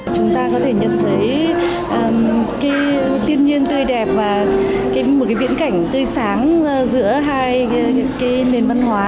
chúng ta có thể nhận thấy thiên nhiên tươi đẹp và biển cảnh tươi sáng giữa hai nền văn hóa